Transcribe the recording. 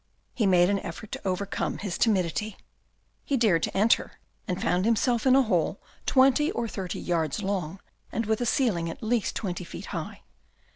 He made an effort to overcome his timidity. He dared to enter, and found him self in a hall twenty or thirty yards long, and with a ceiling at least twenty feet high.